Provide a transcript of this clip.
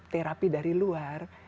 terapi dari luar